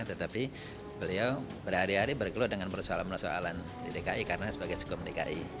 tetapi beliau berhari hari berkeluh dengan persoalan persoalan di dki karena sebagai skom dki